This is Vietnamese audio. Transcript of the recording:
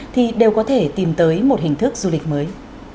thì đều có thể tìm tới một hình thức du lịch mới